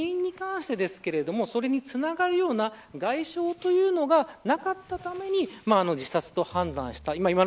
さらに死因に関してそれにつながるような外傷というのがなかったため自殺と判断した。